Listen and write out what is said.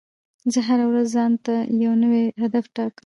زه هره ورځ ځان ته یو نوی هدف ټاکم.